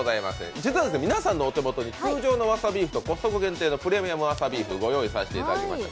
実は皆さんのお手元に通常のわさビーフとコストコ限定のプレミアムわさビーフをご用意いたしました。